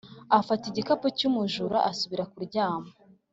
afata igikapu cy'umujura asubira kuryama.